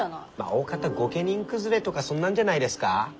おおかた御家人崩れとかそんなんじゃないですか？